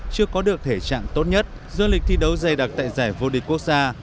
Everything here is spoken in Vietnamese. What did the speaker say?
chưa có được thể trạng tốt nhất do lịch thi đấu dày đặc tại giải vô địch quốc gia